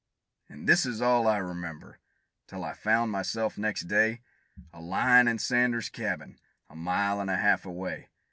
An' this is all I remember, till I found myself next day, A lyin' in Sanders' cabin, a mile an' a half away.